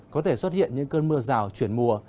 có thể xuất hiện những cơn mưa rào chuyển mùa